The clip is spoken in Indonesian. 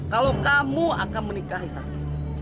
kalau kamu akan menikahi saski